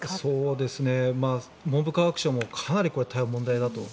文部科学省もかなり問題だと。